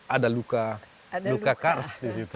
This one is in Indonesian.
ada luka kars di situ